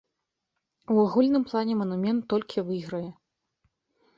У агульным плане манумент толькі выйграе.